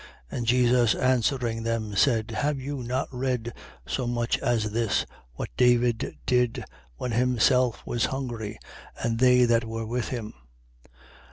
6:3. And Jesus answering them, said: Have you not read so much as this, what David did, when himself was hungry and they that were with him: 6:4.